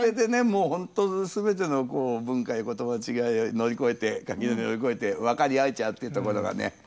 もうほんと全ての文化や言葉の違い乗り越えて垣根を乗り越えて分かり合えちゃうっていうところがね。